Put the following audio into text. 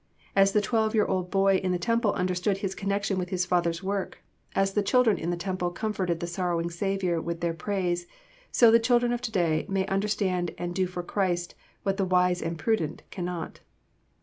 As the twelve year old Boy in the Temple understood His connection with His Father's work, as the children in the Temple comforted the sorrowing Saviour with their praise, so the children of today may understand and do for Christ what the wise and prudent cannot.